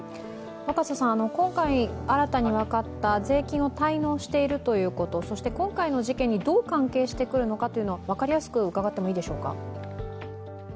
今回、新たに分かった税金を滞納しているということ、そして今回の事件にどう関係してくるのかを分かりやすく伺ってもよろしいでしょうか。